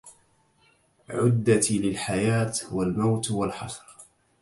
عدتي للحياة والموت والحشر